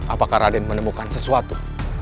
apakah raden menemukan sesuatu